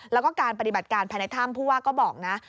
แล้วก็การปฏิบัติการภายในถ้ำผู้ว่าก็บอกนะ